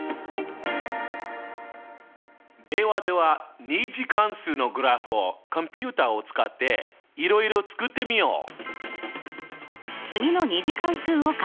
ではでは２次関数のグラフをコンピュータを使っていろいろ作ってみよう。